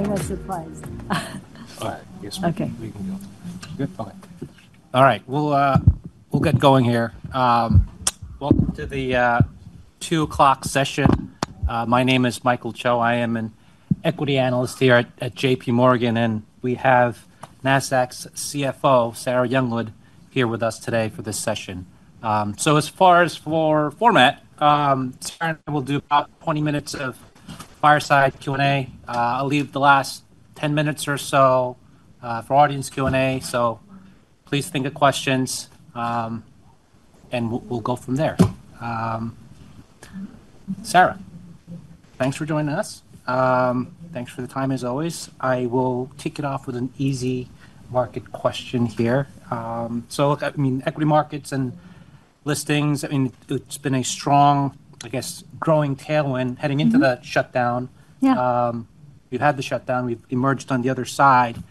I was surprised. Okay. We can go. Good. All right. We'll get going here. Welcome to the 2:00 session. My name is Michael Cho. I am an equity analyst here at J.P. Morgan, and we have Nasdaq's CFO, Sarah Youngwood, here with us today for this session. As far as for format, Sarah, we'll do about 20 minutes of fireside Q&A. I'll leave the last 10 minutes or so for audience Q&A. Please think of questions, and we'll go from there. Sarah, thanks for joining us. Thanks for the time, as always. I will kick it off with an easy market question here. I mean, equity markets and listings, I mean, it's been a strong, I guess, growing tailwind heading into the shutdown. Yeah. We've had the shutdown. We've emerged on the other side.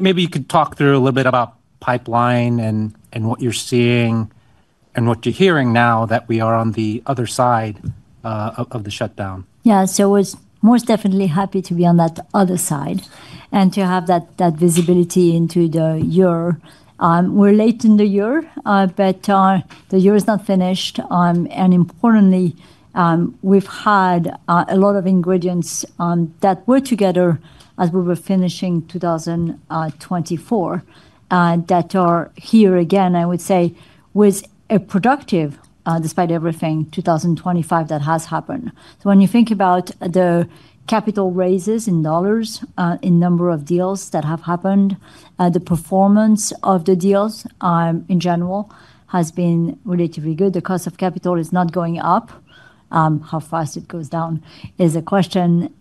Maybe you could talk through a little bit about pipeline and what you're seeing and what you're hearing now that we are on the other side of the shutdown. Yeah. I was most definitely happy to be on that other side and to have that visibility into the year. We're late in the year, but the year is not finished. Importantly, we've had a lot of ingredients that were together as we were finishing 2024 that are here again. I would say it was a productive, despite everything, 2025 that has happened. When you think about the capital raises in dollars, in number of deals that have happened, the performance of the deals in general has been relatively good. The cost of capital is not going up. How fast it goes down is a question.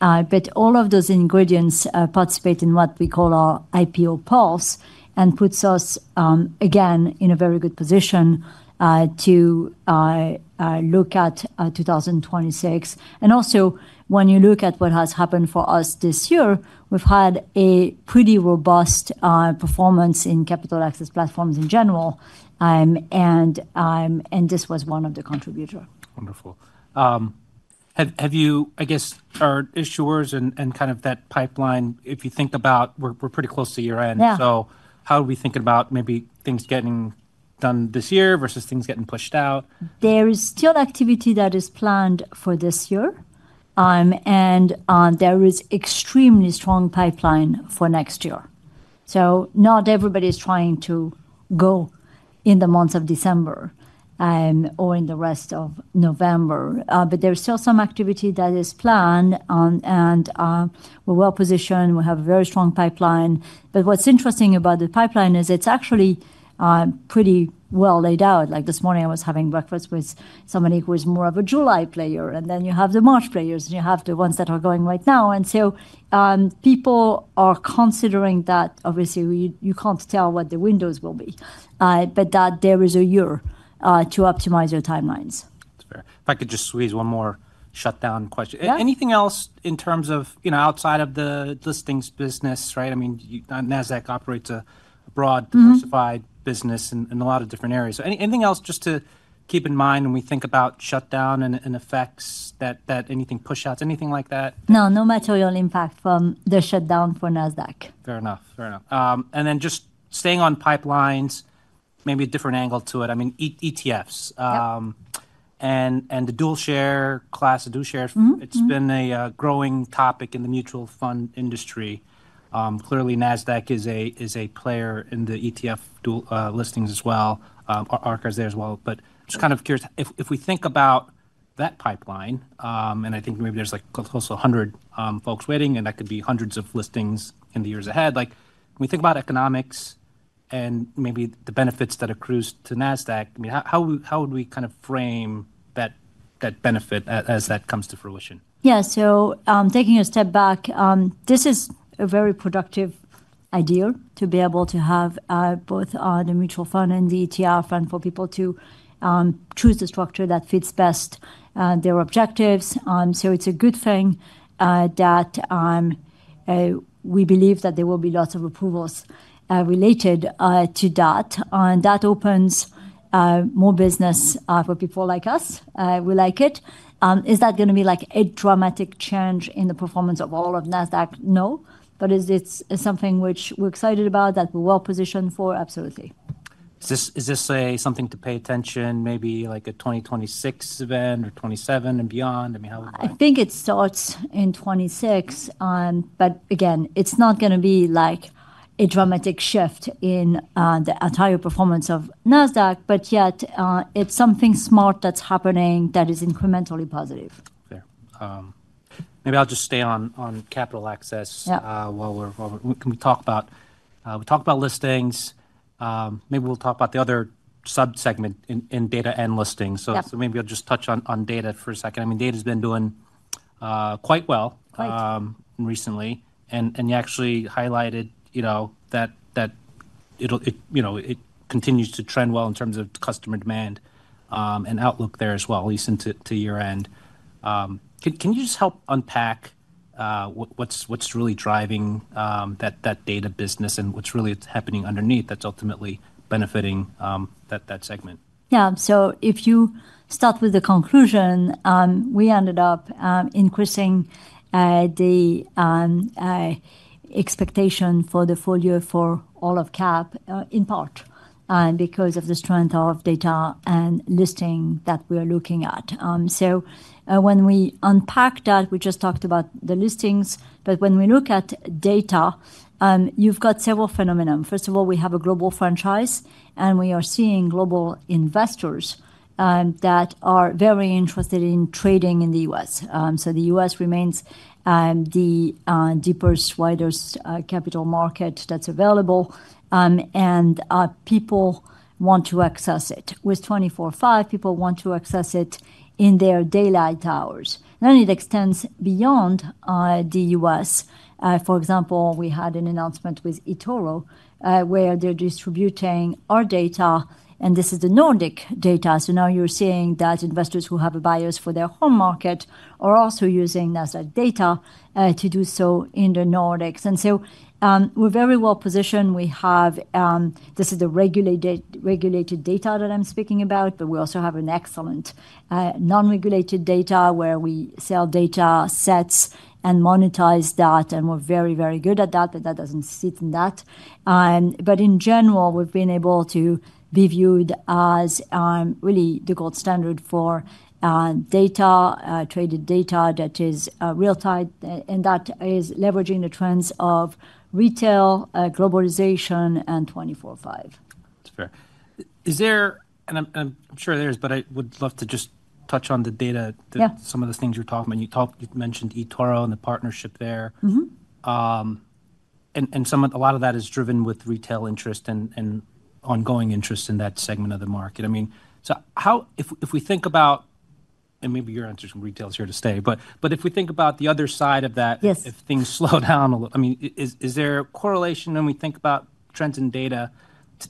All of those ingredients participate in what we call our IPO Pulse and put us again in a very good position to look at 2026. Also, when you look at what has happened for us this year, we've had a pretty robust performance in capital access platforms in general, and this was one of the contributors. Wonderful. Have you, I guess, or issuers and kind of that pipeline, if you think about, we're pretty close to year end. Yeah. How do we think about maybe things getting done this year versus things getting pushed out? There is still activity that is planned for this year, and there is extremely strong pipeline for next year. Not everybody is trying to go in the months of December, or in the rest of November, but there's still some activity that is planned, and we're well positioned. We have a very strong pipeline. What's interesting about the pipeline is it's actually pretty well laid out. Like this morning, I was having breakfast with somebody who is more of a July player. Then you have the March players, and you have the ones that are going right now. People are considering that, obviously, you can't tell what the windows will be, but that there is a year to optimize your timelines. That's fair. If I could just squeeze one more shutdown question. Yeah. Anything else in terms of, you know, outside of the listings business, right? I mean, Nasdaq operates a broad diversified business in a lot of different areas. So anything else just to keep in mind when we think about shutdown and effects that, that anything push outs, anything like that? No, no material impact from the shutdown for Nasdaq. Fair enough. Fair enough. And then just staying on pipelines, maybe a different angle to it. I mean, E-ETFs. Yeah. And the dual share class of dual shares. Mm-hmm. It's been a growing topic in the mutual fund industry. Clearly, Nasdaq is a player in the ETF dual listings as well. Our archive's there as well. Just kind of curious, if we think about that pipeline, and I think maybe there's like close to 100 folks waiting, and that could be hundreds of listings in the years ahead. When we think about economics and maybe the benefits that accrues to Nasdaq, I mean, how would we kind of frame that benefit as that comes to fruition? Yeah. Taking a step back, this is a very productive idea to be able to have both the mutual fund and the ETF and for people to choose the structure that fits best their objectives. So it's a good thing that we believe that there will be lots of approvals related to that. That opens more business for people like us. We like it. Is that gonna be like a dramatic change in the performance of all of Nasdaq? No. But is it something which we're excited about that we're well positioned for? Absolutely. Is this, is this something to pay attention, maybe like a 2026 event or 2027 and beyond? I mean, how? I think it starts in 2026. Again, it's not gonna be like a dramatic shift in the entire performance of Nasdaq, but yet, it's something smart that's happening that is incrementally positive. Fair. Maybe I'll just stay on, on capital access. Yeah. While we're, can we talk about, we talked about listings. maybe we'll talk about the other subsegment in, in data and listings. Yeah. Maybe I'll just touch on data for a second. I mean, data's been doing quite well. Quite. Recently, you actually highlighted that it'll, you know, it continues to trend well in terms of customer demand and outlook there as well, at least into year end. Can you just help unpack what's really driving that data business and what's really happening underneath that's ultimately benefiting that segment? Yeah. If you start with the conclusion, we ended up increasing the expectation for the full year for all of CAP, in part because of the strength of data and listing that we are looking at. When we unpack that, we just talked about the listings, but when we look at data, you have got several phenomena. First of all, we have a global franchise, and we are seeing global investors that are very interested in trading in the U.S.. The U.S. remains the deepest, widest capital market that is available, and people want to access it. With 24/5, people want to access it in their daylight hours. It extends beyond the U.S.. For example, we had an announcement with eToro, where they are distributing our data, and this is the Nordic data. You're seeing that investors who have a bias for their home market are also using Nasdaq data to do so in the Nordics. We're very well positioned. This is the regulated data that I'm speaking about, but we also have excellent non-regulated data where we sell data sets and monetize that. We're very, very good at that, but that doesn't sit in that. In general, we've been able to be viewed as really the gold standard for data, traded data that is real tight, and that is leveraging the trends of retail, globalization, and 24/5. That's fair. Is there, and I'm sure there's, but I would love to just touch on the data. Yeah. That some of the things you're talking about, you talked, you mentioned eToro and the partnership there. Mm-hmm. And some, a lot of that is driven with retail interest and ongoing interest in that segment of the market. I mean, so how, if we think about, and maybe your answer's retail's here to stay, but if we think about the other side of that. Yes. If things slow down a little, I mean, is there a correlation when we think about trends in data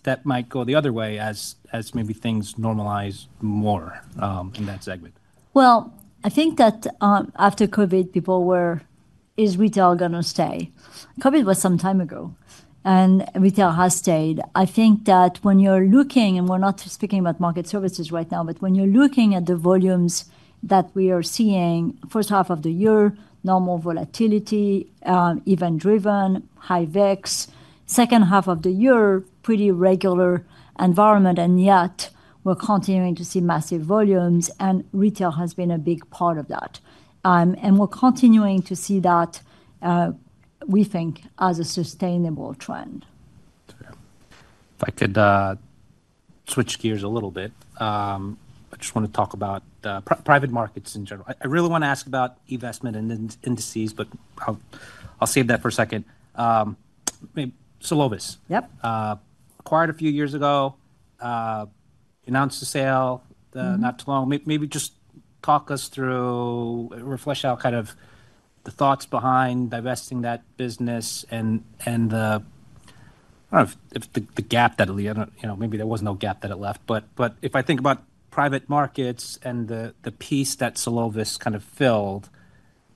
that might go the other way as maybe things normalize more, in that segment? I think that, after COVID, people were, is retail gonna stay? COVID was some time ago, and retail has stayed. I think that when you're looking, and we're not speaking about market services right now, but when you're looking at the volumes that we are seeing, first half of the year, normal volatility, event-driven, high VIX. Second half of the year, pretty regular environment, and yet we're continuing to see massive volumes, and retail has been a big part of that. We're continuing to see that, we think, as a sustainable trend. Fair. If I could, switch gears a little bit, I just wanna talk about private markets in general. I really wanna ask about investment in indices, but I'll save that for a second. Maybe Solovis. Yep. acquired a few years ago, announced a sale, not too long. May, maybe just talk us through, refresh out kind of the thoughts behind divesting that business and, and the, I don't know if, if the, the gap that, you know, maybe there was no gap that it left, but if I think about private markets and the, the piece that Solovis kind of filled,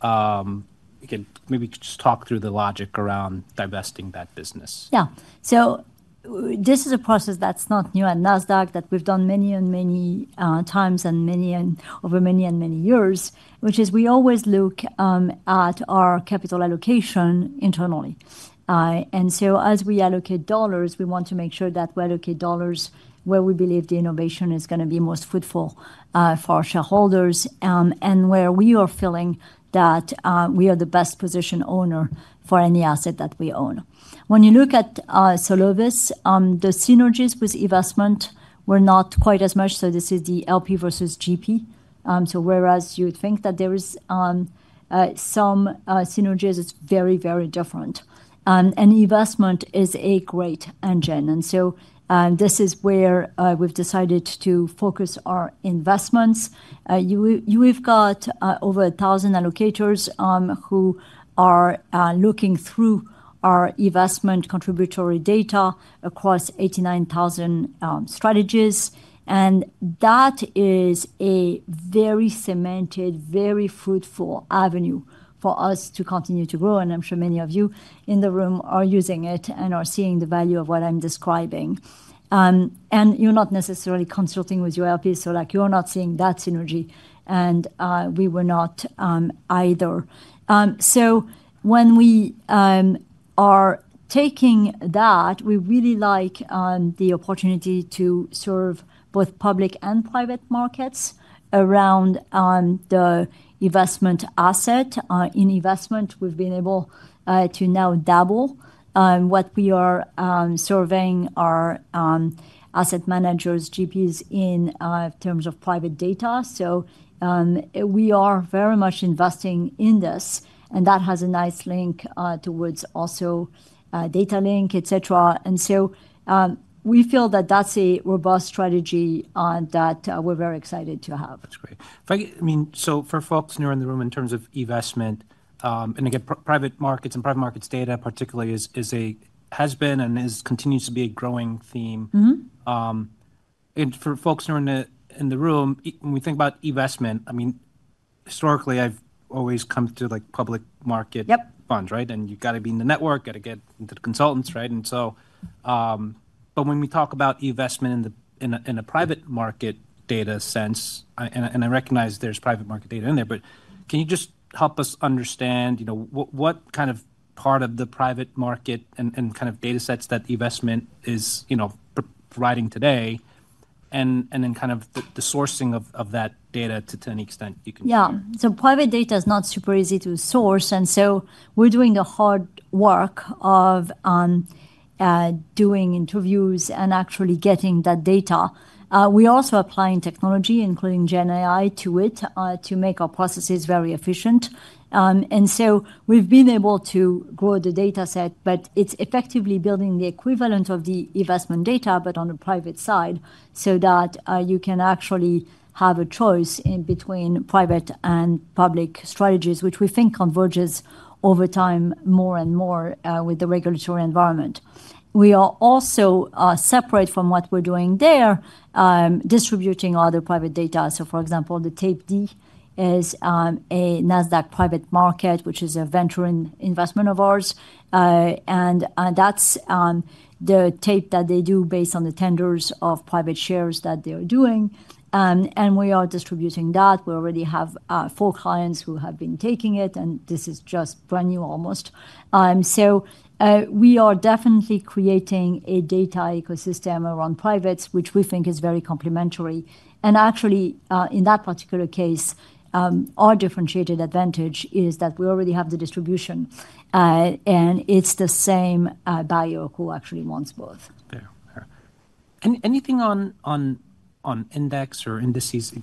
we can maybe just talk through the logic around divesting that business. Yeah. This is a process that's not new at Nasdaq that we've done many, many times and over many, many years, which is we always look at our capital allocation internally. As we allocate dollars, we want to make sure that we allocate dollars where we believe the innovation is gonna be most fruitful for our shareholders, and where we are feeling that we are the best position owner for any asset that we own. When you look at Solovis, the synergies with investment were not quite as much. This is the LP versus GP. Whereas you'd think that there is some synergies, it's very, very different. Investment is a great engine. This is where we've decided to focus our investments. You have got over a thousand allocators who are looking through our investment contributory data across 89,000 strategies. That is a very cemented, very fruitful avenue for us to continue to grow. I am sure many of you in the room are using it and are seeing the value of what I am describing. You are not necessarily consulting with your LP, so you are not seeing that synergy. We were not, either. When we are taking that, we really like the opportunity to serve both public and private markets around the investment asset. In investment, we have been able to now double what we are serving our asset managers, GPs, in terms of private data. We are very much investing in this, and that has a nice link towards also data link, et cetera. We feel that that's a robust strategy, that we're very excited to have. That's great. If I, I mean, for folks who are in the room in terms of eVestment, and again, private markets and private markets data particularly is, has been and continues to be a growing theme. Mm-hmm. And for folks who are in the, in the room, when we think about eVestment, I mean, historically, I've always come to like public market. Yep. Funds, right? And you gotta be in the network, gotta get into the consultants, right? But when we talk about eVestment in the, in a, in a private market data sense, I, and I, and I recognize there's private market data in there, but can you just help us understand, you know, what, what kind of part of the private market and, and kind of data sets that eVestment is, you know, providing today and, and then kind of the, the sourcing of, of that data to, to any extent you can? Yeah. Private data is not super easy to source. We are doing the hard work of doing interviews and actually getting that data. We are also applying technology, including Gen AI, to it to make our processes very efficient. We have been able to grow the data set, but it is effectively building the equivalent of the eVestment data, but on the private side so that you can actually have a choice in between private and public strategies, which we think converges over time more and more with the regulatory environment. We are also, separate from what we are doing there, distributing other private data. For example, the tape D is a Nasdaq Private Market, which is a venture investment of ours. That is the tape that they do based on the tenders of private shares that they are doing, and we are distributing that. We already have four clients who have been taking it, and this is just brand new almost. We are definitely creating a data ecosystem around privates, which we think is very complementary. In that particular case, our differentiated advantage is that we already have the distribution, and it is the same buyer who actually wants both. Fair. Fair. Anything on index or indices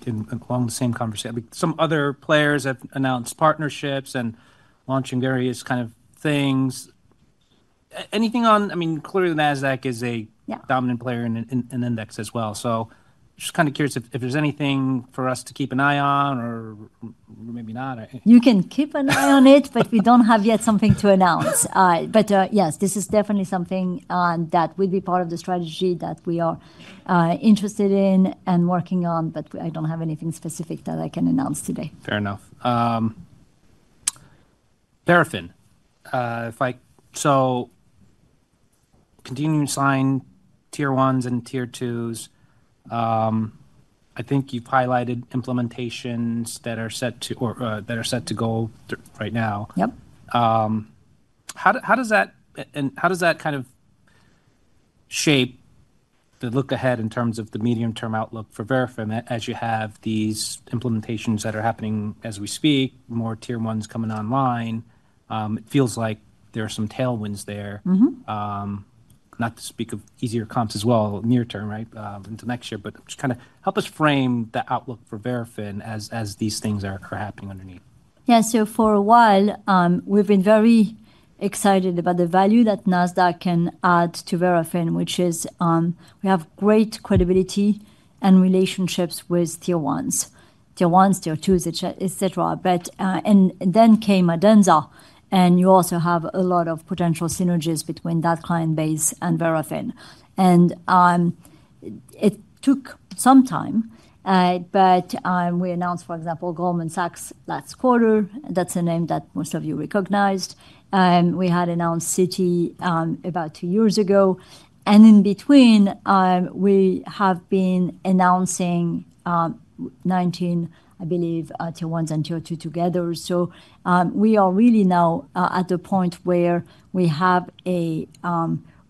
along the same conversation? I mean, some other players have announced partnerships and launching various kind of things. Anything on, I mean, clearly Nasdaq is a. Yeah. Dominant player in index as well. Just kind of curious if there's anything for us to keep an eye on or maybe not. You can keep an eye on it, but we don't have yet something to announce. Yes, this is definitely something that would be part of the strategy that we are interested in and working on, but I don't have anything specific that I can announce today. Fair enough. Verafin, if I, so continuing to sign tier ones and tier twos. I think you've highlighted implementations that are set to, or, that are set to go right now. Yep. How do, how does that, and how does that kind of shape the look ahead in terms of the medium-term outlook for Verafin as you have these implementations that are happening as we speak, more tier ones coming online? It feels like there are some tailwinds there. Mm-hmm. Not to speak of easier comps as well near term, right? into next year, but just kind of help us frame the outlook for Verafin as, as these things are happening underneath. Yeah. For a while, we've been very excited about the value that Nasdaq can add to Verafin, which is, we have great credibility and relationships with tier ones, tier twos, et cetera. Then came Adenza, and you also have a lot of potential synergies between that client base and Verafin. It took some time, but we announced, for example, Goldman Sachs last quarter. That's a name that most of you recognize. We had announced Citi about two years ago. In between, we have been announcing, 19, I believe, tier ones and tier twos together. We are really now at the point where we have a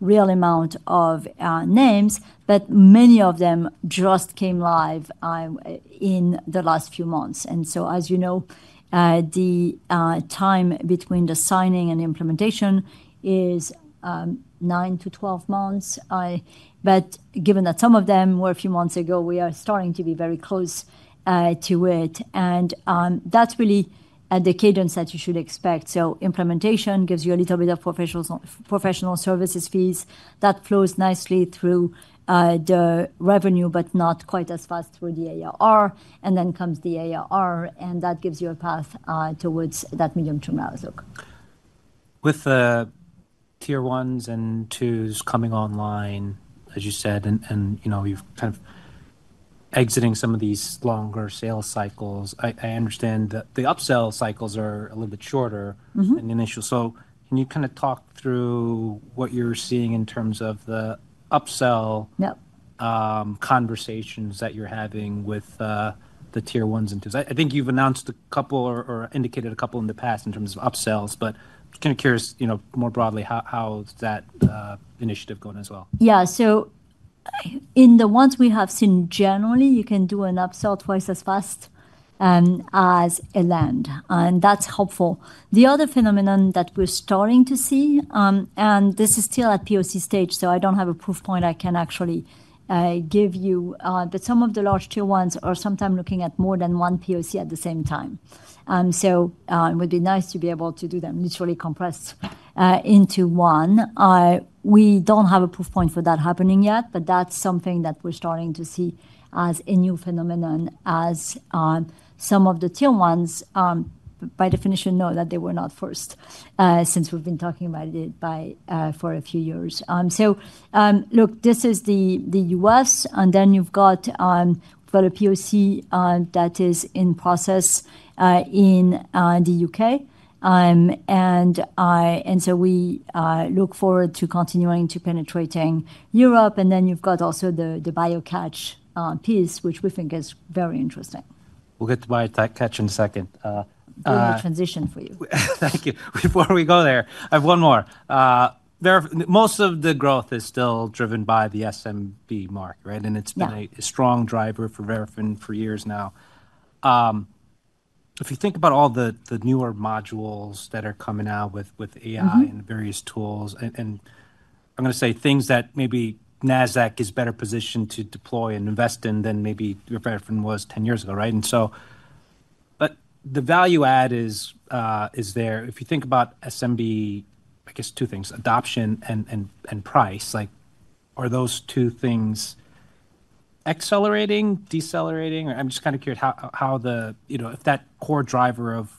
real amount of names, but many of them just came live in the last few months. As you know, the time between the signing and implementation is nine to 12 months. I, but given that some of them were a few months ago, we are starting to be very close to it. That's really at the cadence that you should expect. Implementation gives you a little bit of professional services fees that flows nicely through the revenue, but not quite as fast through the ARR. Then comes the ARR, and that gives you a path towards that medium-term outlook. With the tier ones and twos coming online, as you said, and, you know, you've kind of exiting some of these longer sales cycles. I understand that the upsell cycles are a little bit shorter. Mm-hmm. Than initial. Can you kind of talk through what you're seeing in terms of the upsell? Yep. conversations that you're having with the tier ones and twos? I think you've announced a couple or indicated a couple in the past in terms of upsells, but kind of curious, you know, more broadly, how's that initiative going as well? Yeah. In the ones we have seen generally, you can do an upsell twice as fast as a land, and that's helpful. The other phenomenon that we're starting to see, and this is still at POC stage, so I do not have a proof point I can actually give you, but some of the large tier ones are sometimes looking at more than one POC at the same time. It would be nice to be able to do them literally compressed into one. We do not have a proof point for that happening yet, but that's something that we're starting to see as a new phenomenon as some of the tier ones, by definition, know that they were not first, since we've been talking about it for a few years. Look, this is the U.S., and then you've got, for the POC, that is in process, in the U.K.. I, and so we look forward to continuing to penetrating Europe. And then you've got also the BioCatch piece, which we think is very interesting. We'll get to BioCatch in a second. Be a transition for you. Thank you. Before we go there, I have one more. Verafin, most of the growth is still driven by the SMB mark, right? And it's been a strong driver for Verafin for years now. If you think about all the newer modules that are coming out with AI and various tools, and, and I'm gonna say things that maybe Nasdaq is better positioned to deploy and invest in than maybe Verafin was 10 years ago, right? The value-add is there. If you think about SMB, I guess two things, adoption and price, like, are those two things accelerating, decelerating, or I'm just kind of curious how, how the, you know, if that core driver of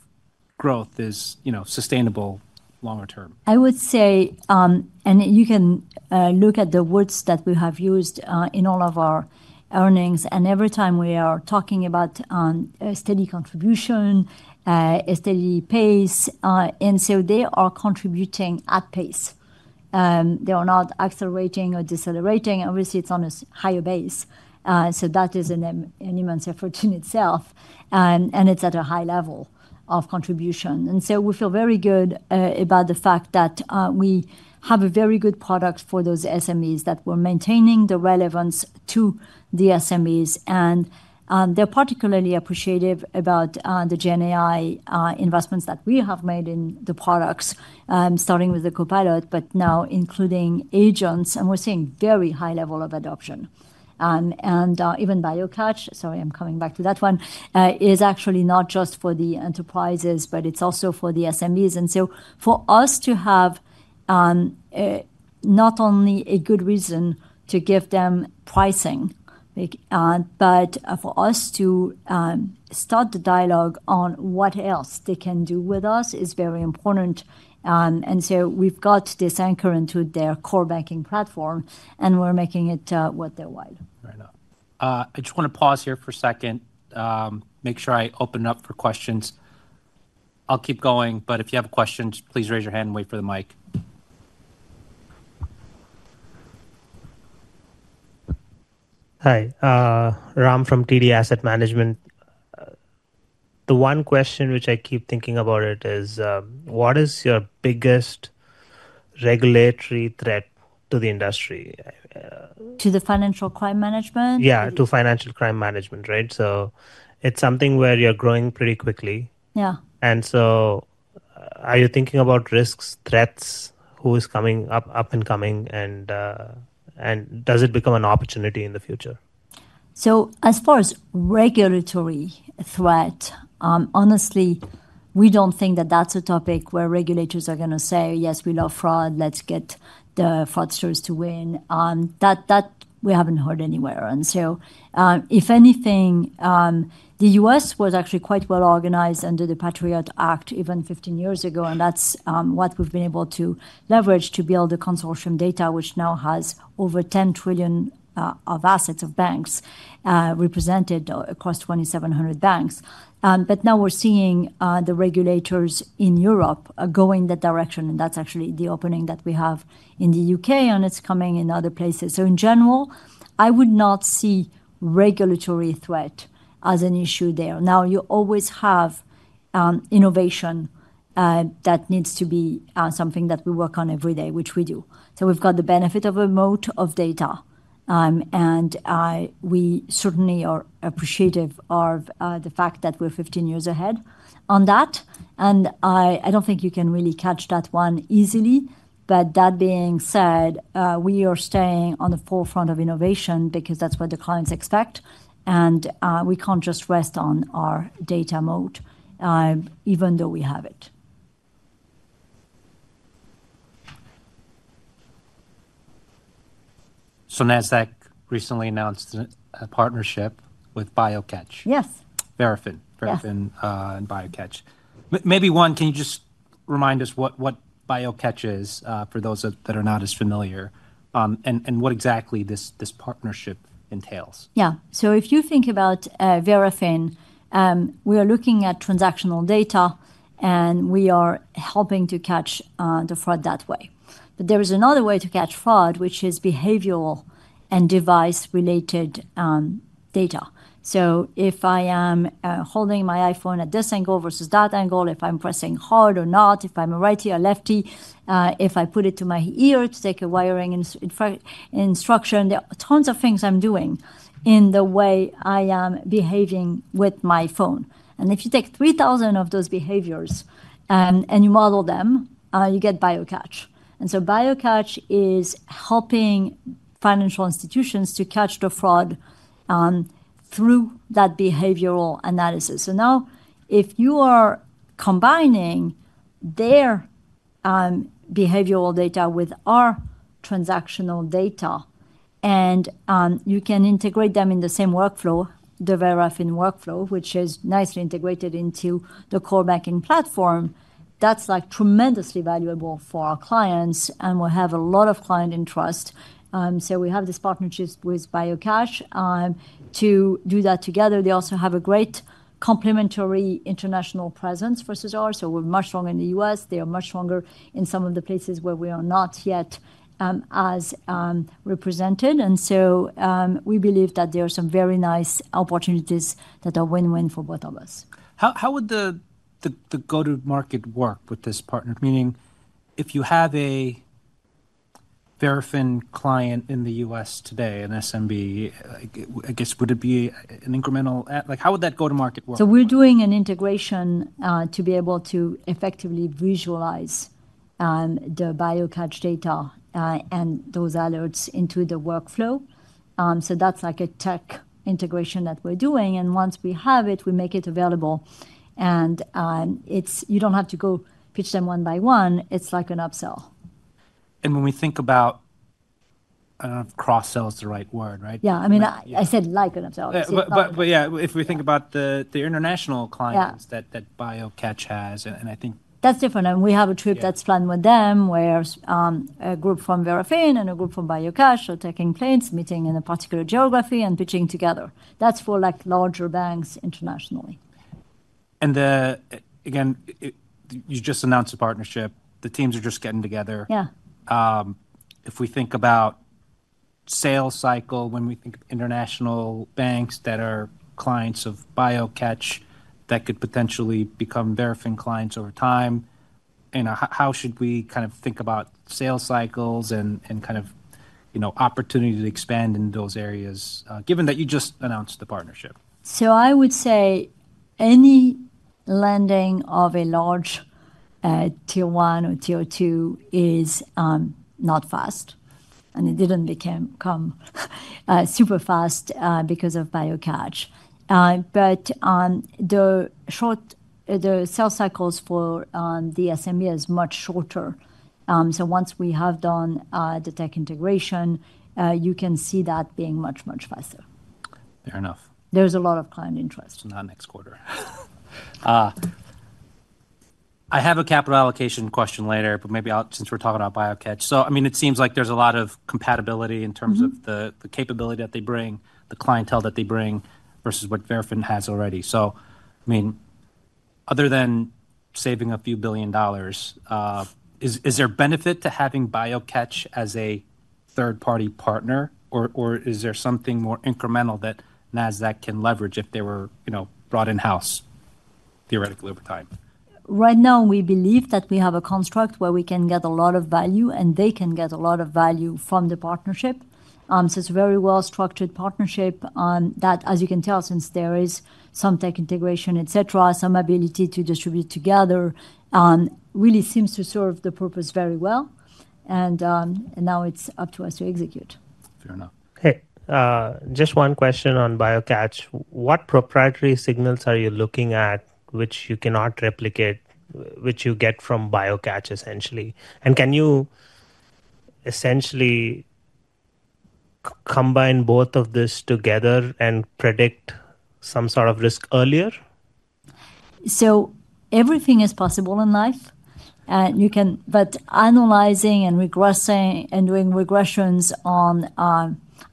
growth is, you know, sustainable longer term? I would say, and you can look at the words that we have used in all of our earnings. Every time we are talking about a steady contribution, a steady pace, and so they are contributing at pace. They are not accelerating or decelerating. Obviously, it is on a higher base, so that is an immense effort in itself, and it is at a high level of contribution. We feel very good about the fact that we have a very good product for those SMEs, that we are maintaining the relevance to the SMEs. They are particularly appreciative about the Gen AI investments that we have made in the products, starting with the Copilot, but now including agents. We are seeing very high level of adoption, and even BioCatch, sorry, I am coming back to that one, is actually not just for the enterprises, but it is also for the SMEs. For us to have, not only a good reason to give them pricing, but for us to start the dialogue on what else they can do with us is very important. We have this anchor into their core banking platform, and we're making it worth their while. Fair enough. I just wanna pause here for a second, make sure I open up for questions. I'll keep going, but if you have questions, please raise your hand and wait for the mic. Hi, Ram from TD Asset Management. The one question which I keep thinking about is, what is your biggest regulatory threat to the industry? To the financial crime management. Yeah, to financial crime management, right? So it's something where you're growing pretty quickly. Yeah. Are you thinking about risks, threats, who is coming up, up and coming, and does it become an opportunity in the future? As far as regulatory threat, honestly, we do not think that is a topic where regulators are gonna say, yes, we love fraud, let's get the fraudsters to win. That, we have not heard anywhere. If anything, the U.S. was actually quite well organized under the Patriot Act even 15 years ago. That is what we have been able to leverage to build the consortium data, which now has over $10 trillion of assets of banks represented across 2,700 banks. Now we are seeing the regulators in Europe going that direction. That is actually the opening that we have in the U.K., and it is coming in other places. In general, I would not see regulatory threat as an issue there. You always have innovation that needs to be something that we work on every day, which we do. We have the benefit of a moat of data, and we certainly are appreciative of the fact that we are 15 years ahead on that. I do not think you can really catch that one easily. That being said, we are staying on the forefront of innovation because that is what the clients expect. We cannot just rest on our data moat, even though we have it. Nasdaq recently announced a partnership with BioCatch. Yes. Verafin, Verafin, and BioCatch. Maybe one, can you just remind us what, what BioCatch is, for those that are not as familiar, and what exactly this, this partnership entails? Yeah. If you think about Verafin, we are looking at transactional data, and we are helping to catch the fraud that way. There is another way to catch fraud, which is behavioral and device-related data. If I am holding my iPhone at this angle versus that angle, if I am pressing hard or not, if I am a righty or lefty, if I put it to my ear to take a wiring instruction, there are tons of things I am doing in the way I am behaving with my phone. If you take 3,000 of those behaviors, and you model them, you get BioCatch. BioCatch is helping financial institutions to catch the fraud through that behavioral analysis. If you are combining their behavioral data with our transactional data and you can integrate them in the same workflow, the Verafin workflow, which is nicely integrated into the core banking platform, that's tremendously valuable for our clients. We have a lot of client interest. We have this partnership with BioCatch to do that together. They also have a great complementary international presence versus ours. We are much stronger in the U.S.. They are much stronger in some of the places where we are not yet as represented. We believe that there are some very nice opportunities that are win-win for both of us. How would the go-to-market work with this partner? Meaning if you have a Verafin client in the U.S. today, an SMB, I guess, would it be an incremental app? Like, how would that go-to-market work? We're doing an integration, to be able to effectively visualize the BioCatch data and those alerts into the workflow. That's like a tech integration that we're doing. Once we have it, we make it available. It's, you don't have to go pitch them one by one. It's like an upsell. When we think about, cross-sell is the right word, right? Yeah. I mean, I said like an upsell. Yeah, if we think about the international clients that BioCatch has, and I think. That's different. We have a trip that's planned with them where a group from Verafin and a group from BioCatch are taking planes, meeting in a particular geography, and pitching together. That's for like larger banks internationally. Again, you just announced a partnership. The teams are just getting together. Yeah. If we think about sales cycle, when we think of international banks that are clients of BioCatch that could potentially become Verafin clients over time, you know, how should we kind of think about sales cycles and, and kind of, you know, opportunity to expand in those areas, given that you just announced the partnership? I would say any landing of a large, tier one or tier two is not fast. It did not become, come, super fast because of BioCatch. The sales cycles for the SME is much shorter. Once we have done the tech integration, you can see that being much, much faster. Fair enough. There's a lot of client interest. Not next quarter. I have a capital allocation question later, but maybe I'll, since we're talking about BioCatch. I mean, it seems like there's a lot of compatibility in terms of the capability that they bring, the clientele that they bring versus what Verafin has already. I mean, other than saving a few billion dollars, is there benefit to having BioCatch as a third-party partner or is there something more incremental that Nasdaq can leverage if they were, you know, brought in-house theoretically over time? Right now, we believe that we have a construct where we can get a lot of value and they can get a lot of value from the partnership. It is a very well-structured partnership, that, as you can tell, since there is some tech integration, et cetera, some ability to distribute together, really seems to serve the purpose very well. Now it is up to us to execute. Fair enough. Hey, just one question on BioCatch. What proprietary signals are you looking at which you cannot replicate, which you get from BioCatch essentially? Can you essentially combine both of this together and predict some sort of risk earlier? Everything is possible in life. You can, but analyzing and regressing and doing regressions on,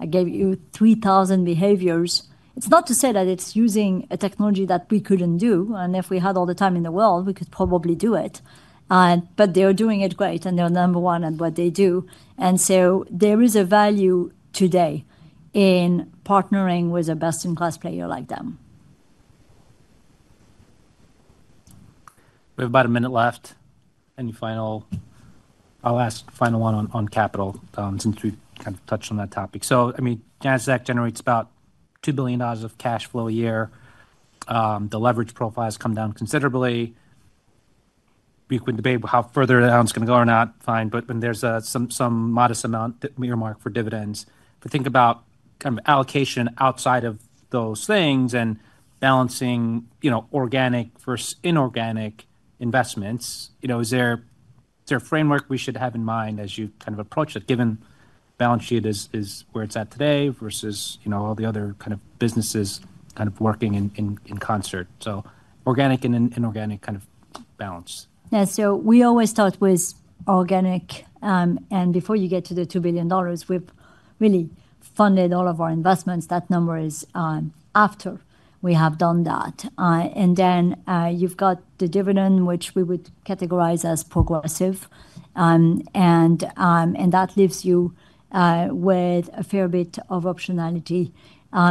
I gave you 3,000 behaviors. It's not to say that it's using a technology that we couldn't do. If we had all the time in the world, we could probably do it. They're doing it great and they're number one at what they do. There is a value today in partnering with a best-in-class player like them. We have about a minute left. Any final, our last final one on capital, since we kind of touched on that topic. I mean, Nasdaq generates about $2 billion of cash flow a year. The leverage profile has come down considerably. We could debate how further down it's gonna go or not, fine. When there's some modest amount that we remark for dividends, if we think about kind of allocation outside of those things and balancing, you know, organic versus inorganic investments, is there a framework we should have in mind as you kind of approach it, given balance sheet is where it's at today versus, you know, all the other kind of businesses kind of working in concert? Organic and inorganic kind of balance. Yeah. We always start with organic, and before you get to the $2 billion, we've really funded all of our investments. That number is after we have done that. Then, you've got the dividend, which we would categorize as progressive, and that leaves you with a fair bit of optionality,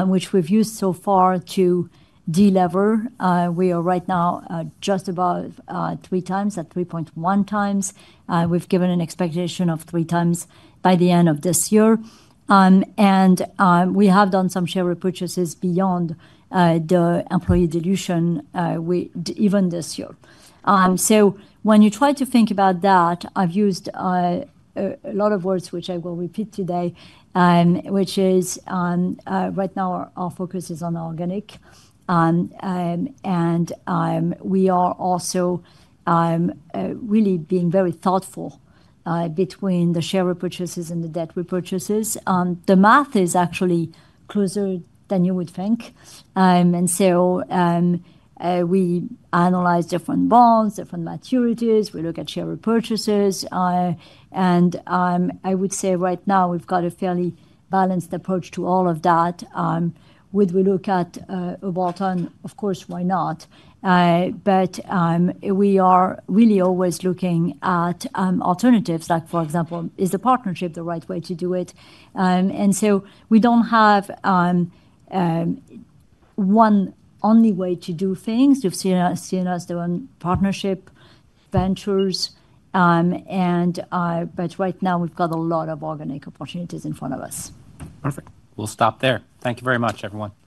which we've used so far to deliver. We are right now just about three times, at 3.1 times. We've given an expectation of three times by the end of this year. We have done some share repurchases beyond the employee dilution, even this year. When you try to think about that, I've used a lot of words, which I will repeat today, which is, right now our focus is on organic, and we are also really being very thoughtful between the share repurchases and the debt repurchases. The math is actually closer than you would think. We analyze different bonds, different maturities, we look at share repurchases. I would say right now we have a fairly balanced approach to all of that. Would we look at a bottom? Of course, why not? We are really always looking at alternatives. Like for example, is the partnership the right way to do it? We do not have one only way to do things. You have seen us doing partnership ventures. Right now we have a lot of organic opportunities in front of us. Perfect. We'll stop there. Thank you very much, everyone.